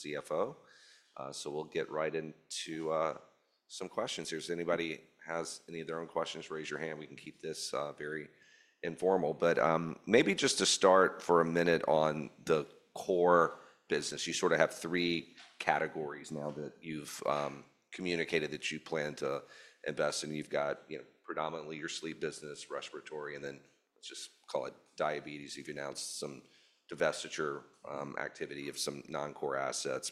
CFO. We'll get right into some questions here. If anybody has any of their own questions, raise your hand. We can keep this very informal. Maybe just to start for a minute on the core business, you sort of have three categories now that you've communicated that you plan to invest in. You've got predominantly your sleep business, respiratory, and then let's just call it diabetes. You've announced some divestiture activity of some non-core assets.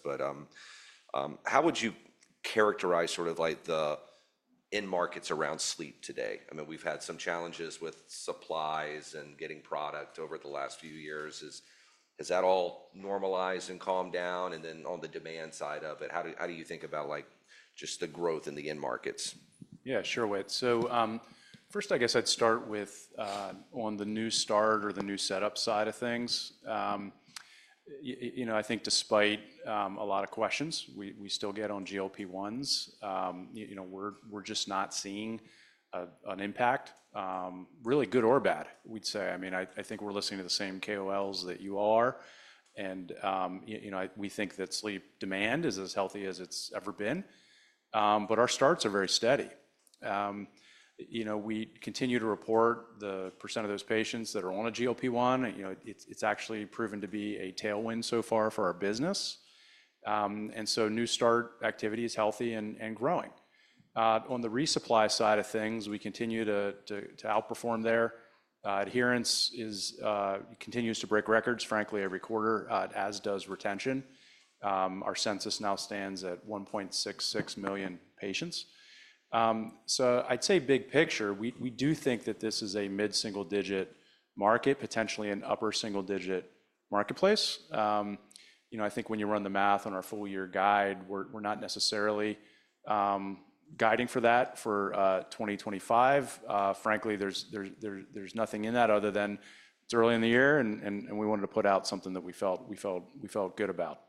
How would you characterize sort of the end markets around sleep today? I mean, we've had some challenges with supplies and getting product over the last few years. Has that all normalized and calmed down? On the demand side of it, how do you think about just the growth in the end markets? Yeah, sure, Whit. First, I guess I'd start with on the new start or the new setup side of things. I think despite a lot of questions we still get on GLP-1s, we're just not seeing an impact, really good or bad, we'd say. I mean, I think we're listening to the same KOLs that you all are. We think that sleep demand is as healthy as it's ever been. Our starts are very steady. We continue to report the percentage of those patients that are on a GLP-1. It's actually proven to be a tailwind so far for our business. New start activity is healthy and growing. On the resupply side of things, we continue to outperform there. Adherence continues to break records, frankly, every quarter, as does retention. Our census now stands at 1.66 million patients. I'd say big picture, we do think that this is a mid-single-digit market, potentially an upper single-digit marketplace. I think when you run the math on our full-year guide, we're not necessarily guiding for that for 2025. Frankly, there's nothing in that other than it's early in the year, and we wanted to put out something that we felt good about.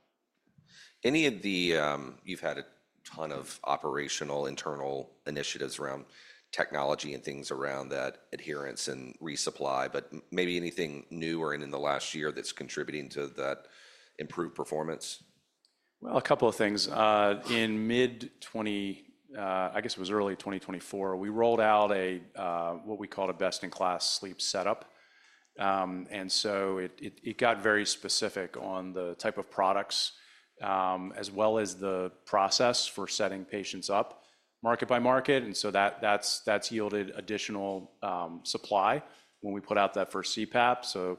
Any of the—you've had a ton of operational internal initiatives around technology and things around that adherence and resupply. Maybe anything new or in the last year that's contributing to that improved performance? A couple of things. In mid-202—I guess it was early 2024, we rolled out what we call a best-in-class sleep setup. It got very specific on the type of products as well as the process for setting patients up market by market. That has yielded additional supply when we put out that first CPAP.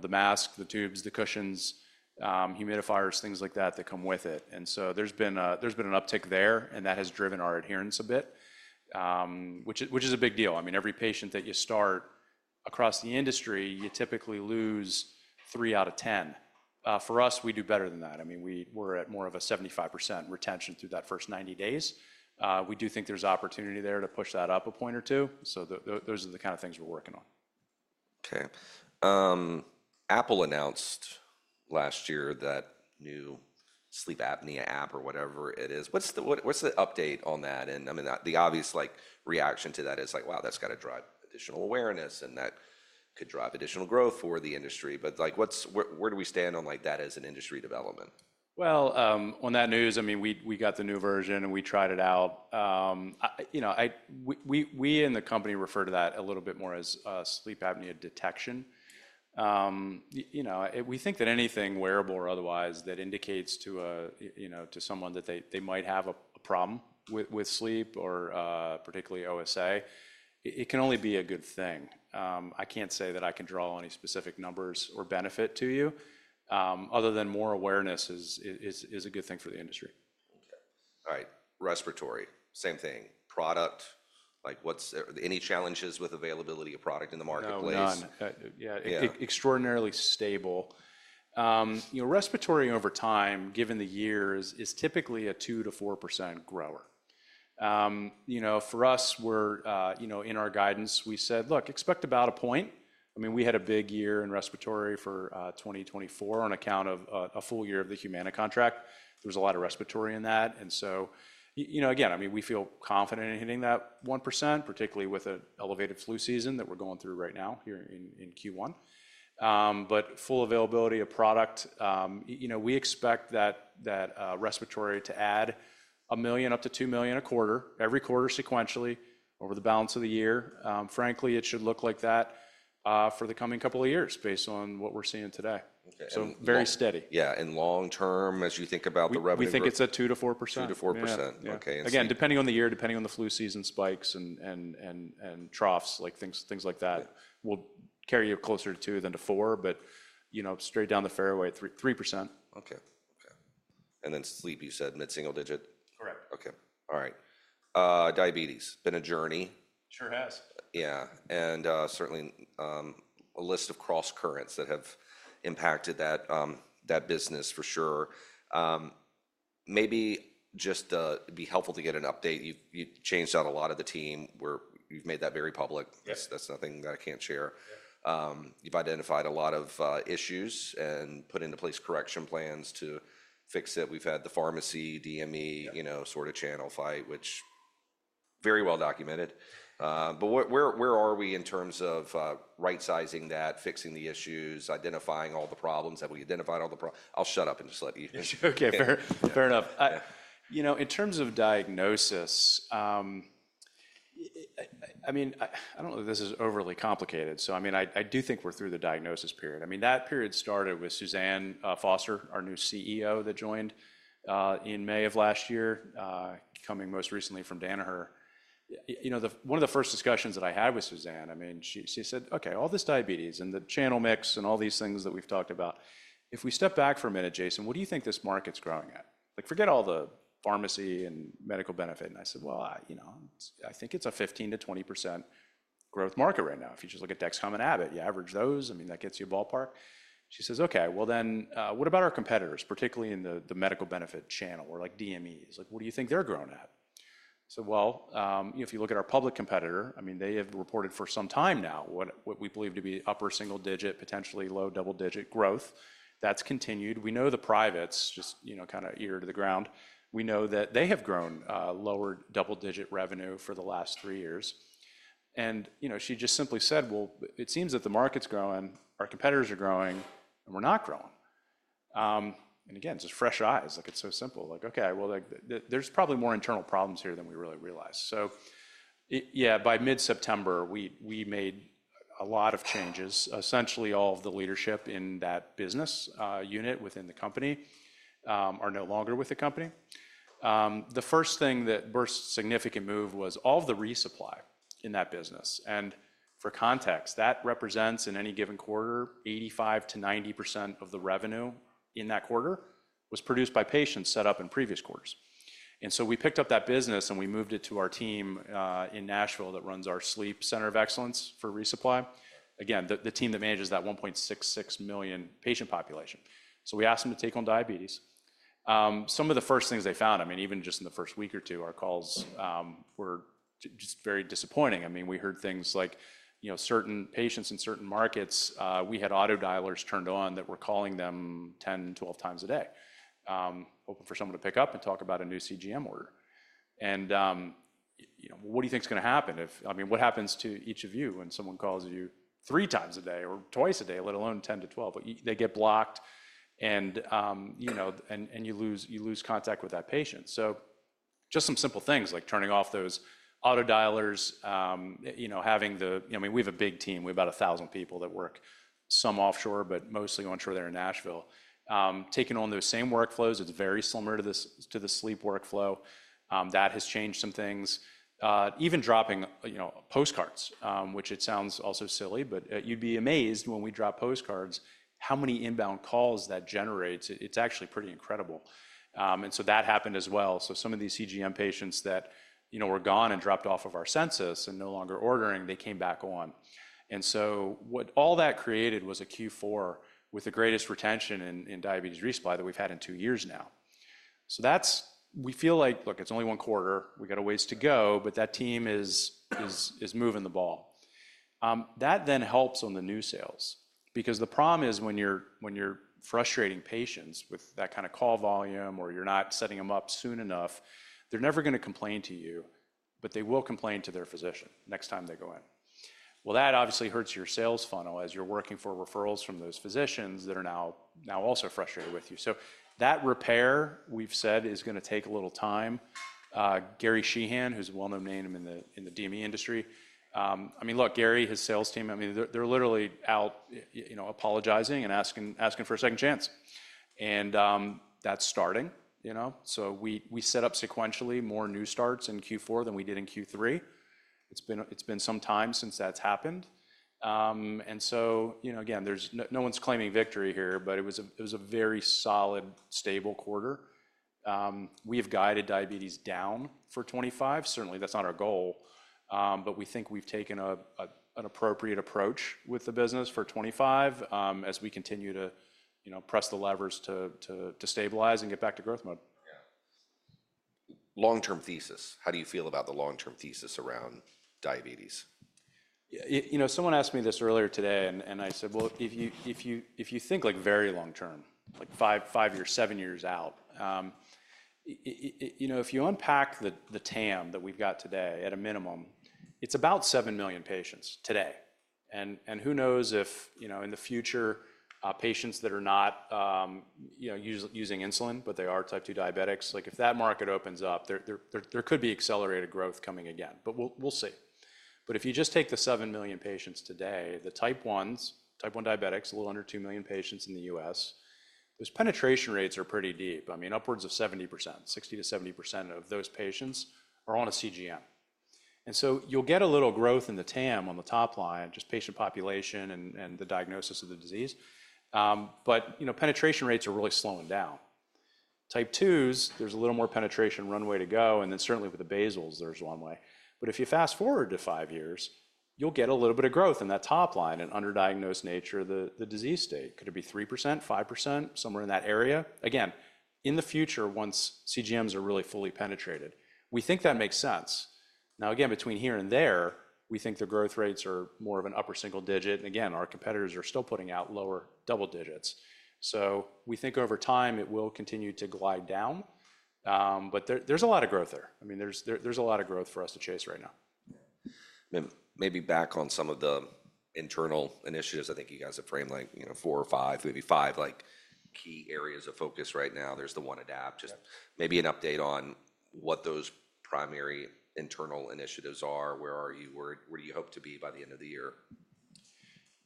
The mask, the tubes, the cushions, humidifiers, things like that that come with it. There has been an uptick there, and that has driven our adherence a bit, which is a big deal. I mean, every patient that you start across the industry, you typically lose three out of ten. For us, we do better than that. I mean, we're at more of a 75% retention through that first 90 days. We do think there's opportunity there to push that up a point or two. Those are the kind of things we're working on. Okay. Apple announced last year that new sleep apnea app or whatever it is. What's the update on that? I mean, the obvious reaction to that is like, wow, that's got to drive additional awareness and that could drive additional growth for the industry. Where do we stand on that as an industry development? On that news, I mean, we got the new version and we tried it out. We in the company refer to that a little bit more as sleep apnea detection. We think that anything wearable or otherwise that indicates to someone that they might have a problem with sleep or particularly OSA, it can only be a good thing. I can't say that I can draw any specific numbers or benefit to you other than more awareness is a good thing for the industry. Okay. All right. Respiratory, same thing. Product, any challenges with availability of product in the marketplace? Oh, none. Yeah, extraordinarily stable. Respiratory over time, given the years, is typically a 2%-4% grower. For us, in our guidance, we said, "Look, expect about a point." I mean, we had a big year in respiratory for 2024 on account of a full year of the Humana contract. There was a lot of respiratory in that. I mean, we feel confident in hitting that 1%, particularly with an elevated flu season that we're going through right now here in Q1. Full availability of product, we expect that respiratory to add $ 1 million up to $2 million a quarter, every quarter sequentially over the balance of the year. Frankly, it should look like that for the coming couple of years based on what we're seeing today. Very steady. Yeah. And long term, as you think about the revenue? We think it's a 2%-4%. 2%-4%. Okay. Again, depending on the year, depending on the flu season spikes and troughs, things like that will carry you closer to two than to four. Straight down the fairway, 3%. Okay. Okay. Sleep, you said, mid-single digit? Correct. Okay. All right. Diabetes, been a journey? Sure has. Yeah. Certainly a list of cross currents that have impacted that business for sure. Maybe just it'd be helpful to get an update. You've changed out a lot of the team. You've made that very public. That's nothing that I can't share. You've identified a lot of issues and put into place correction plans to fix it. We've had the pharmacy, DME sort of channel fight, which is very well documented. Where are we in terms of right-sizing that, fixing the issues, identifying all the problems that we identified, all the problems? I'll shut up and just let you. Okay. Fair enough. In terms of diagnosis, I mean, I don't know if this is overly complicated. I do think we're through the diagnosis period. That period started with Suzanne Foster, our new CEO that joined in May of last year, coming most recently from Danaher. One of the first discussions that I had with Suzanne, she said, "Okay, all this diabetes and the channel mix and all these things that we've talked about, if we step back for a minute, Jason, what do you think this market's growing at? Forget all the pharmacy and medical benefit." I said, "I think it's a 15%-20% growth market right now. If you just look at Dexcom and Abbott, you average those. I mean, that gets you a ballpark. She says, "Okay, well, then what about our competitors, particularly in the medical benefit channel or DMEs? What do you think they're growing at?" I said, "Well, if you look at our public competitor, I mean, they have reported for some time now what we believe to be upper single-digit, potentially low double-digit growth. That's continued. We know the privates, just kind of ear to the ground. We know that they have grown lower double-digit revenue for the last three years." She just simply said, "Well, it seems that the market's growing, our competitors are growing, and we're not growing." Again, it's just fresh eyes. It's so simple. Okay, well, there's probably more internal problems here than we really realize. Yeah, by mid-September, we made a lot of changes. Essentially, all of the leadership in that business unit within the company are no longer with the company. The first thing that burst significant move was all of the resupply in that business. For context, that represents in any given quarter, 85%-90% of the revenue in that quarter was produced by patients set up in previous quarters. We picked up that business and we moved it to our team in Nashville that runs our sleep center of excellence for resupply. Again, the team that manages that 1.66 million patient population. We asked them to take on diabetes. Some of the first things they found, I mean, even just in the first week or two, our calls were just very disappointing. I mean, we heard things like certain patients in certain markets, we had autodialers turned on that were calling them 10-12 times a day for someone to pick up and talk about a new CGM order. What do you think is going to happen if, I mean, what happens to each of you when someone calls you three times a day or twice a day, let alone 10-12? They get blocked and you lose contact with that patient. Just some simple things like turning off those autodialers, having the—I mean, we have a big team. We have about 1,000 people that work some offshore, but mostly onshore there in Nashville. Taking on those same workflows, it is very similar to the sleep workflow. That has changed some things. Even dropping postcards, which it sounds also silly, but you'd be amazed when we drop postcards, how many inbound calls that generates. It's actually pretty incredible. That happened as well. Some of these CGM patients that were gone and dropped off of our census and no longer ordering, they came back on. What all that created was a Q4 with the greatest retention in diabetes resupply that we've had in two years now. We feel like, look, it's only one quarter. We got a ways to go, but that team is moving the ball. That then helps on the new sales because the problem is when you're frustrating patients with that kind of call volume or you're not setting them up soon enough, they're never going to complain to you, but they will complain to their physician next time they go in. That obviously hurts your sales funnel as you're working for referrals from those physicians that are now also frustrated with you. That repair, we've said, is going to take a little time. Gary Sheehan, who's a well-known name in the DME industry, I mean, look, Gary, his sales team, I mean, they're literally out apologizing and asking for a second chance. That's starting. We set up sequentially more new starts in Q4 than we did in Q3. It's been some time since that's happened. Again, no one's claiming victory here, but it was a very solid, stable quarter. We have guided diabetes down for 2025. Certainly, that's not our goal, but we think we've taken an appropriate approach with the business for 2025 as we continue to press the levers to stabilize and get back to growth mode. Yeah. Long-term thesis. How do you feel about the long-term thesis around diabetes? Someone asked me this earlier today, and I said, "If you think very long-term, like five years, seven years out, if you unpack the TAM that we've got today, at a minimum, it's about 7 million patients today. Who knows if in the future, patients that are not using insulin, but they are type 2 diabetics, if that market opens up, there could be accelerated growth coming again. We'll see. If you just take the 7 million patients today, the type 1s, type 1 diabetics, a little under 2 million patients in the U.S., those penetration rates are pretty deep. I mean, upwards of 70%, 60%-70% of those patients are on a CGM. You'll get a little growth in the TAM on the top line, just patient population and the diagnosis of the disease. Penetration rates are really slowing down. Type 2s, there's a little more penetration runway to go. And then certainly with the basals, there's one way. If you fast forward to five years, you'll get a little bit of growth in that top line and underdiagnosed nature of the disease state. Could it be 3%, 5%, somewhere in that area? Again, in the future, once CGMs are really fully penetrated, we think that makes sense. Now, again, between here and there, we think the growth rates are more of an upper single digit. Our competitors are still putting out lower double digits. We think over time it will continue to glide down. There's a lot of growth there. I mean, there's a lot of growth for us to chase right now. Maybe back on some of the internal initiatives. I think you guys have framed like four or five, maybe five, like key areas of focus right now. There's the One Adapt. Just maybe an update on what those primary internal initiatives are. Where are you? Where do you hope to be by the end of the year?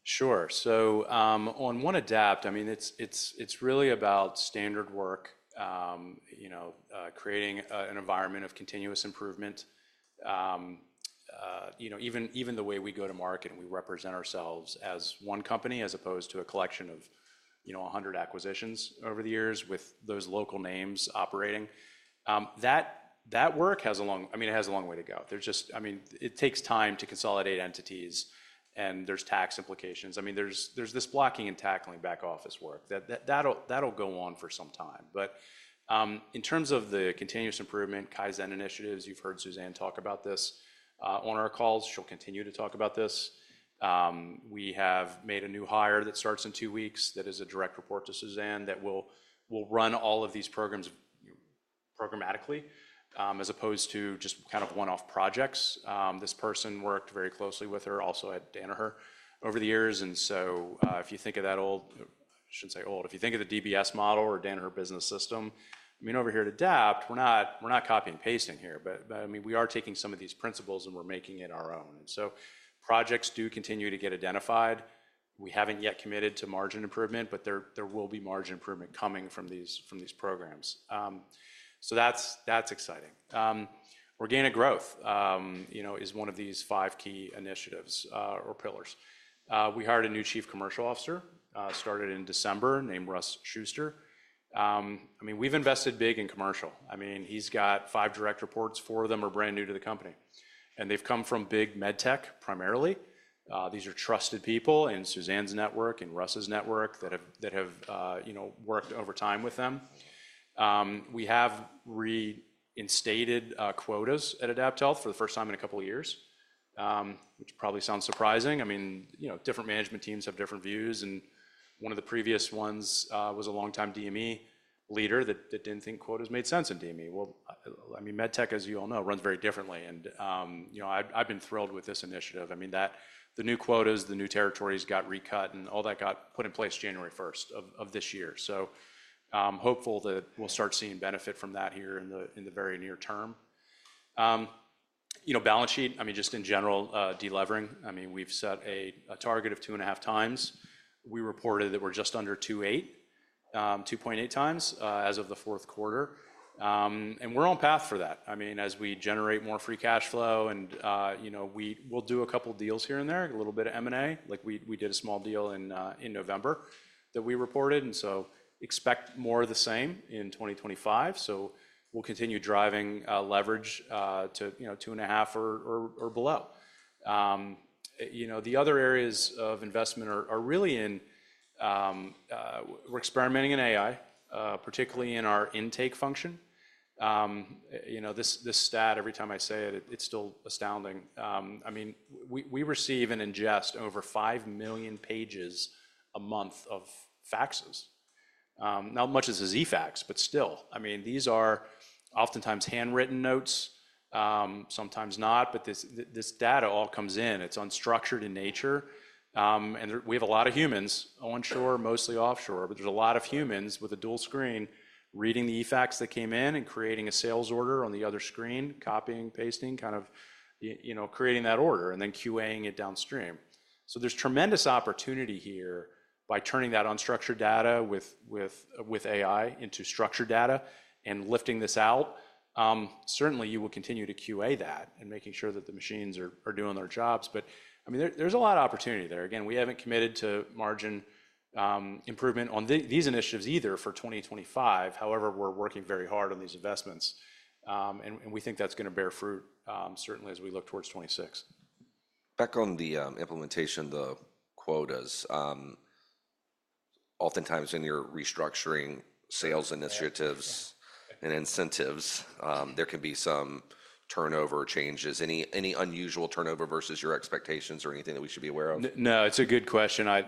Sure. On One Adapt, I mean, it's really about standard work, creating an environment of continuous improvement. Even the way we go to market and we represent ourselves as one company as opposed to a collection of 100 acquisitions over the years with those local names operating. That work has a long way to go. I mean, it takes time to consolidate entities and there are tax implications. I mean, there is this blocking and tackling back office work. That will go on for some time. In terms of the continuous improvement, Kaizen initiatives, you have heard Suzanne talk about this on our calls. She will continue to talk about this. We have made a new hire that starts in two weeks that is a direct report to Suzanne that will run all of these programs programmatically as opposed to just kind of one-off projects. This person worked very closely with her also at Danaher over the years. If you think of that old—I shouldn't say old. If you think of the DBS model or Danaher Business System, I mean, over here at Adapt, we're not copying and pasting here. I mean, we are taking some of these principles and we're making it our own. Projects do continue to get identified. We haven't yet committed to margin improvement, but there will be margin improvement coming from these programs. That's exciting. Organic growth is one of these five key initiatives or pillars. We hired a new Chief Commercial Officer, started in December, named Russ Schuster. I mean, we've invested big in commercial. I mean, he's got five direct reports. Four of them are brand new to the company. They've come from big med tech primarily. These are trusted people in Suzanne's network and Russ's network that have worked over time with them. We have reinstated quotas at AdaptHealth for the first time in a couple of years, which probably sounds surprising. I mean, different management teams have different views. One of the previous ones was a longtime DME leader that did not think quotas made sense in DME. I mean, med tech, as you all know, runs very differently. I have been thrilled with this initiative. I mean, the new quotas, the new territories got recut, and all that got put in place January 1 of this year. Hopeful that we will start seeing benefit from that here in the very near term. Balance sheet, I mean, just in general, delivering. I mean, we have set a target of two and a half times. We reported that we're just under 2.8x as of the fourth quarter. We're on path for that. I mean, as we generate more free cash flow and we'll do a couple of deals here and there, a little bit of M&A. We did a small deal in November that we reported. Expect more of the same in 2025. We'll continue driving leverage to two and a half or below. The other areas of investment are really in we're experimenting in AI, particularly in our intake function. This stat, every time I say it, it's still astounding. I mean, we receive and ingest over 5 million pages a month of faxes. Not much is a eFax, but still, I mean, these are oftentimes handwritten notes, sometimes not, but this data all comes in. It's unstructured in nature. We have a lot of humans, onshore, mostly offshore, but there's a lot of humans with a dual screen reading the eFax that came in and creating a sales order on the other screen, copying, pasting, kind of creating that order, and then QAing it downstream. There is tremendous opportunity here by turning that unstructured data with AI into structured data and lifting this out. Certainly, you will continue to QA that and making sure that the machines are doing their jobs. I mean, there's a lot of opportunity there. Again, we haven't committed to margin improvement on these initiatives either for 2025. However, we're working very hard on these investments. We think that's going to bear fruit, certainly, as we look towards 2026. Back on the implementation, the quotas. Oftentimes in your restructuring sales initiatives and incentives, there can be some turnover changes. Any unusual turnover versus your expectations or anything that we should be aware of? No, it's a good question. I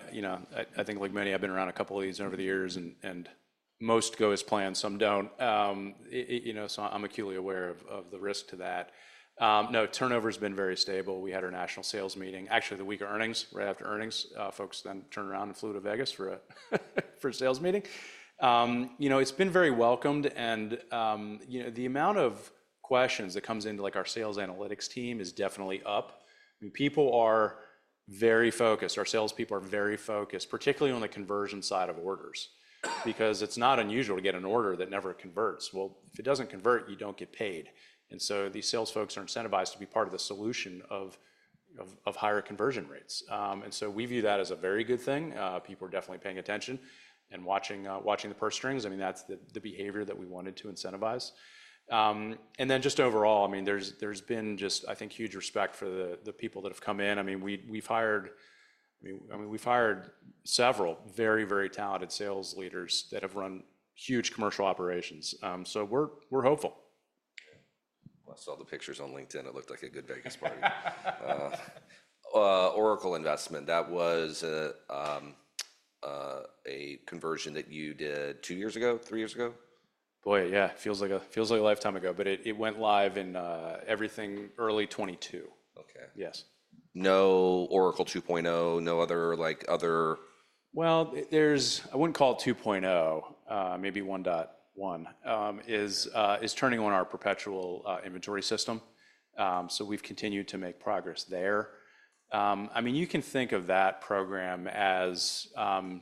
think like many, I've been around a couple of these over the years, and most go as planned. Some don't. I am acutely aware of the risk to that. No, turnover has been very stable. We had our national sales meeting, actually the week of earnings, right after earnings. Folks then turned around and flew to Vegas for a sales meeting. It's been very welcomed. The amount of questions that comes into our sales analytics team is definitely up. I mean, people are very focused. Our salespeople are very focused, particularly on the conversion side of orders because it's not unusual to get an order that never converts. If it doesn't convert, you don't get paid. These sales folks are incentivized to be part of the solution of higher conversion rates. We view that as a very good thing. People are definitely paying attention and watching the purse strings. I mean, that's the behavior that we wanted to incentivize. I mean, there's been just, I think, huge respect for the people that have come in. I mean, we've hired several very, very talented sales leaders that have run huge commercial operations. We are hopeful. I saw the pictures on LinkedIn. It looked like a good Vegas party. Oracle investment. That was a conversion that you did two years ago, three years ago? Boy, yeah. It feels like a lifetime ago, but it went live in everything early 2022. Okay. Yes. No Oracle 2.0, no other? I wouldn't call it 2.0. Maybe 1.1 is turning on our perpetual inventory system. I mean, you can think of that program as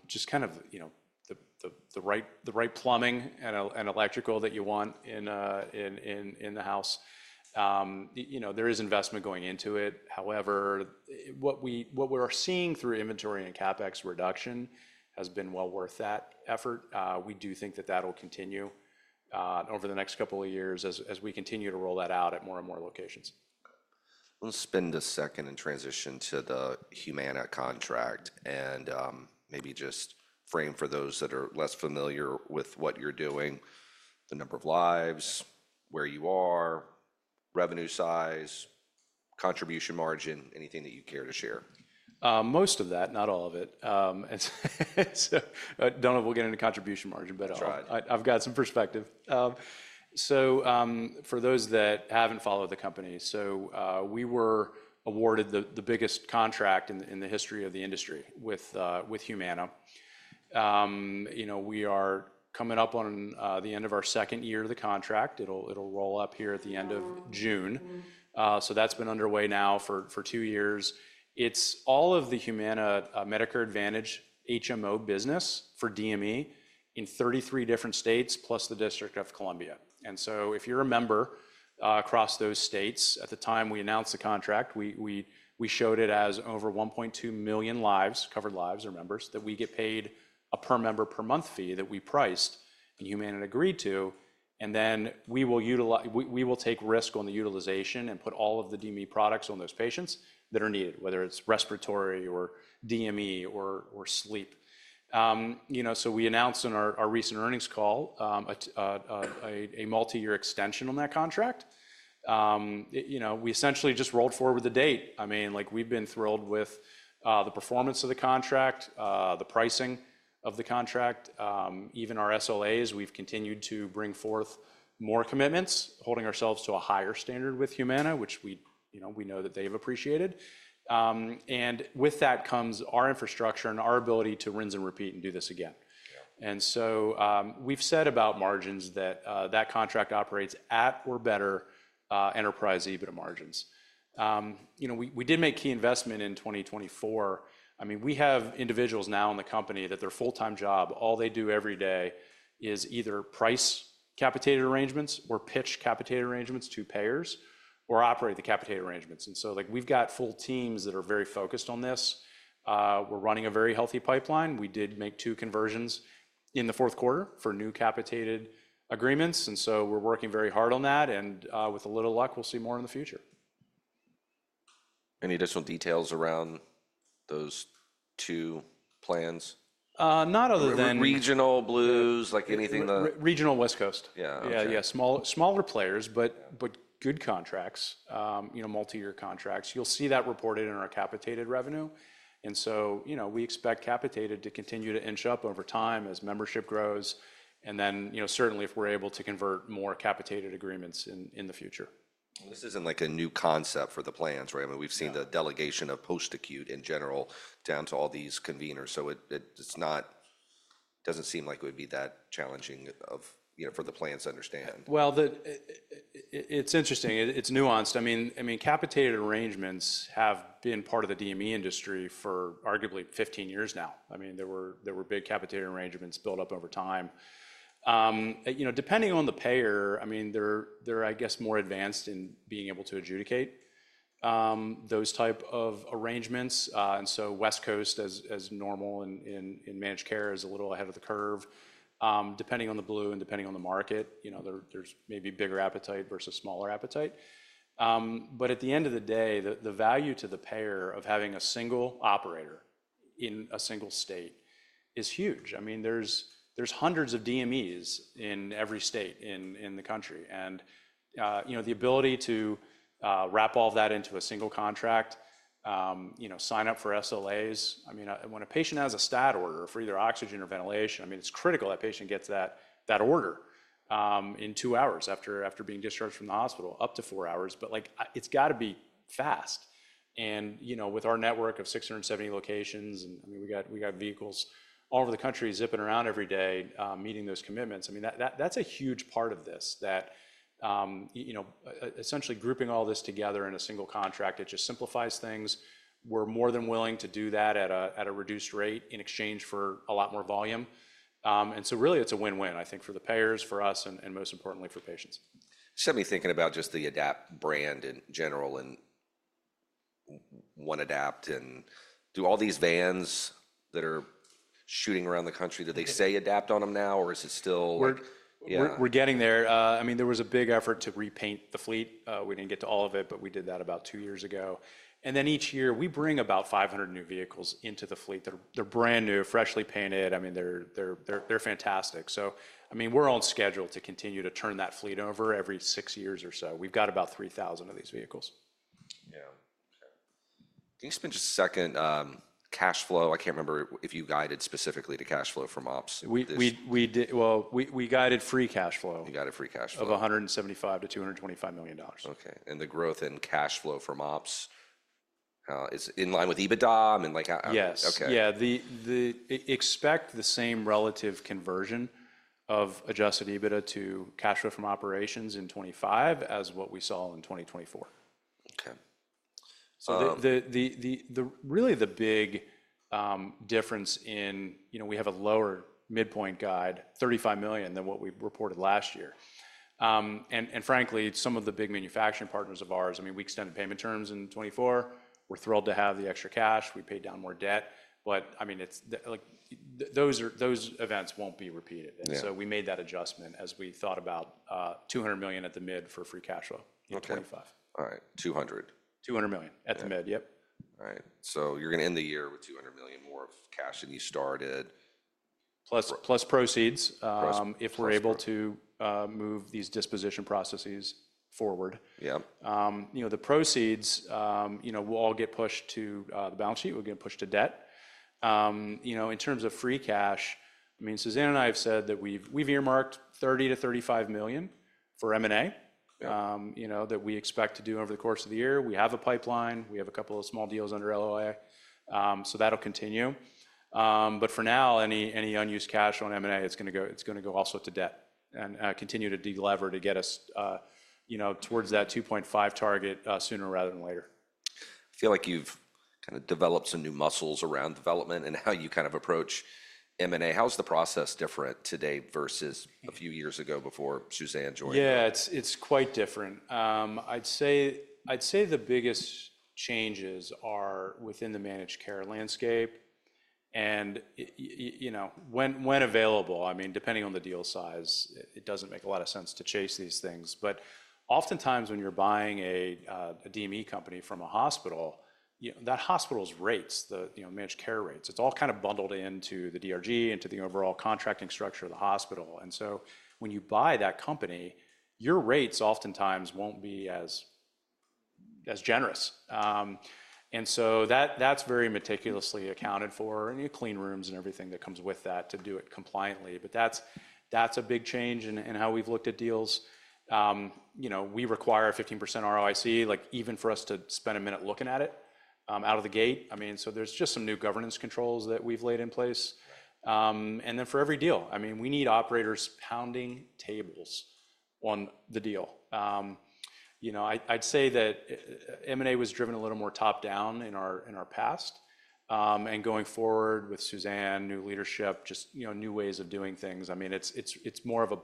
just kind of the right plumbing and electrical that you want in the house. There is investment going into it. However, what we are seeing through inventory and CapEx reduction has been well worth that effort. We do think that that'll continue over the next couple of years as we continue to roll that out at more and more locations. Let's spend a second and transition to the Humana contract and maybe just frame for those that are less familiar with what you're doing, the number of lives, where you are, revenue size, contribution margin, anything that you care to share. Most of that, not all of it. I don't know if we'll get into contribution margin, but I've got some perspective. For those that haven't followed the company, we were awarded the biggest contract in the history of the industry with Humana. We are coming up on the end of our second year of the contract. It'll roll up here at the end of June. That's been underway now for two years. It's all of the Humana Medicare Advantage HMO business for DME in 33 different states plus the District of Columbia. If you're a member across those states, at the time we announced the contract, we showed it as over 1.2 million lives, covered lives or members, that we get paid a per member per month fee that we priced and Humana agreed to. We will take risk on the utilization and put all of the DME products on those patients that are needed, whether it's respiratory or DME or sleep. We announced in our recent earnings call a multi-year extension on that contract. We essentially just rolled forward the date. I mean, we've been thrilled with the performance of the contract, the pricing of the contract. Even our SLAs, we've continued to bring forth more commitments, holding ourselves to a higher standard with Humana, which we know that they've appreciated. With that comes our infrastructure and our ability to rinse and repeat and do this again. We've said about margins that that contract operates at or better enterprise EBITDA margins. We did make key investment in 2024. I mean, we have individuals now in the company that their full-time job, all they do every day is either price capitated arrangements or pitch capitated arrangements to payers or operate the capitated arrangements. We have full teams that are very focused on this. We are running a very healthy pipeline. We did make two conversions in the fourth quarter for new capitated agreements. We are working very hard on that. With a little luck, we will see more in the future. Any additional details around those two plans? Not other than. Regional Blues, like anything that. Regional West Coast. Yeah. Yeah, yeah. Smaller players, but good contracts, multi-year contracts. You'll see that reported in our capitated revenue. We expect capitated to continue to inch up over time as membership grows. Certainly if we're able to convert more capitated agreements in the future. This isn't like a new concept for the plans, right? I mean, we've seen the delegation of post-acute in general down to all these conveners. So it doesn't seem like it would be that challenging for the plans to understand. It's interesting. It's nuanced. I mean, capitated arrangements have been part of the DME industry for arguably 15 years now. I mean, there were big capitated arrangements built up over time. Depending on the payer, I mean, they're, I guess, more advanced in being able to adjudicate those type of arrangements. West Coast, as normal in managed care, is a little ahead of the curve. Depending on the blue and depending on the market, there's maybe bigger appetite versus smaller appetite. At the end of the day, the value to the payer of having a single operator in a single state is huge. I mean, there's hundreds of DMEs in every state in the country. The ability to wrap all of that into a single contract, sign up for SLAs, I mean, when a patient has a stat order for either oxygen or ventilation, I mean, it's critical that patient gets that order in two hours after being discharged from the hospital, up to four hours. It's got to be fast. With our network of 670 locations, I mean, we got vehicles all over the country zipping around every day meeting those commitments. I mean, that's a huge part of this, that essentially grouping all this together in a single contract, it just simplifies things. We're more than willing to do that at a reduced rate in exchange for a lot more volume. Really, it's a win-win, I think, for the payers, for us, and most importantly, for patients. Just got me thinking about just the AdaptHealth brand in general and One Adapt. Do all these vans that are shooting around the country, do they say AdaptHealth on them now, or is it still? We're getting there. I mean, there was a big effort to repaint the fleet. We didn't get to all of it, but we did that about two years ago. Each year, we bring about 500 new vehicles into the fleet. They're brand new, freshly painted. I mean, they're fantastic. I mean, we're on schedule to continue to turn that fleet over every six years or so. We've got about 3,000 of these vehicles. Yeah. Okay. Can you spend just a second? Cash flow, I can't remember if you guided specifically to cash flow from ops. We guided free cash flow. You guided free cash flow. Of $175 million-$225 million. Okay. The growth in cash flow from ops is in line with EBITDA and like? Yes. Yeah. Expect the same relative conversion of adjusted EBITDA to cash flow from operations in 2025 as what we saw in 2024. Okay. Really the big difference is we have a lower midpoint guide, $35 million, than what we reported last year. Frankly, some of the big manufacturing partners of ours, I mean, we extended payment terms in 2024. We're thrilled to have the extra cash. We paid down more debt. I mean, those events won't be repeated. We made that adjustment as we thought about $200 million at the mid for free cash flow in 2025. Okay. All right. $200 million. $200 million at the mid. Yep. All right. You're going to end the year with $200 million more of cash than you started. Plus proceeds if we're able to move these disposition processes forward. Yeah. The proceeds will all get pushed to the balance sheet. We're going to push to debt. In terms of free cash, I mean, Suzanne and I have said that we've earmarked $30 million-$35 million for M&A that we expect to do over the course of the year. We have a pipeline. We have a couple of small deals under LOI. That'll continue. For now, any unused cash on M&A, it's going to go also to debt and continue to delever to get us towards that 2.5 target sooner rather than later. I feel like you've kind of developed some new muscles around development and how you kind of approach M&A. How's the process different today versus a few years ago before Suzanne joined? Yeah, it's quite different. I'd say the biggest changes are within the managed care landscape. I mean, depending on the deal size, it doesn't make a lot of sense to chase these things. Oftentimes when you're buying a DME company from a hospital, that hospital's rates, the managed care rates, it's all kind of bundled into the DRG, into the overall contracting structure of the hospital. When you buy that company, your rates oftentimes won't be as generous. That is very meticulously accounted for and you clean rooms and everything that comes with that to do it compliantly. That's a big change in how we've looked at deals. We require a 15% ROIC, even for us to spend a minute looking at it out of the gate. I mean, there's just some new governance controls that we've laid in place. For every deal, I mean, we need operators pounding tables on the deal. I'd say that M&A was driven a little more top-down in our past. Going forward with Suzanne, new leadership, just new ways of doing things. I mean, it's more of a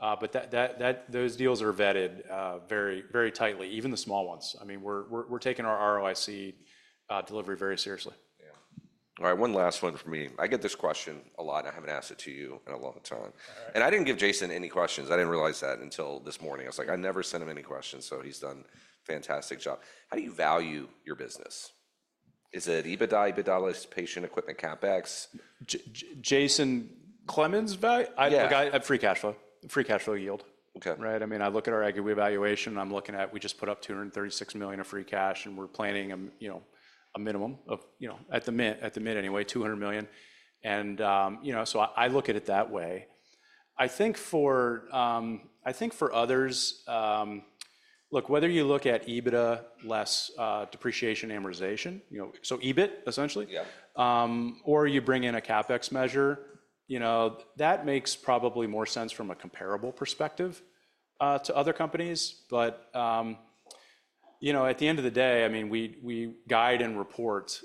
bottoms-up. Those deals are vetted very tightly, even the small ones. I mean, we're taking our ROIC delivery very seriously. Yeah. All right. One last one for me. I get this question a lot. I haven't asked it to you in a long time. I didn't give Jason any questions. I didn't realize that until this morning. I was like, "I never sent him any questions." So he's done a fantastic job. How do you value your business? Is it EBITDA, EBITDA less, patient equipment, CapEx? I have free cash flow, free cash flow yield. Right? I mean, I look at our aggregate valuation. I'm looking at we just put up $236 million of free cash, and we're planning a minimum of, at the mid anyway, $200 million. I look at it that way. I think for others, look, whether you look at EBITDA less depreciation amortization, so EBIT essentially, or you bring in a CapEx measure, that makes probably more sense from a comparable perspective to other companies. At the end of the day, I mean, we guide and report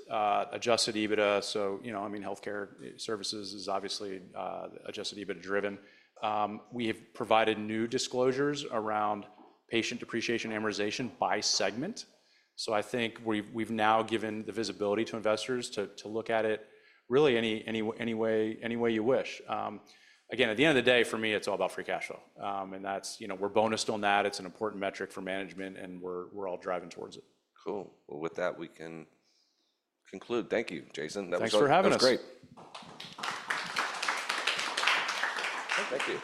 adjusted EBITDA. I mean, healthcare services is obviously adjusted EBITDA-driven. We have provided new disclosures around patient depreciation amortization by segment. I think we've now given the visibility to investors to look at it really any way you wish. Again, at the end of the day, for me, it's all about free cash flow. And we're bonused on that. It's an important metric for management, and we're all driving towards it. Cool. With that, we can conclude. Thank you, Jason. Thanks for having us. That was great. Thank you.